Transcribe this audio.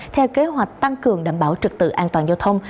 theo kế hoạch tăng cường đảm bảo trực tự an toàn giao thông